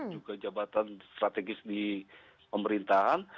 juga jabatan strategis di pemerintahan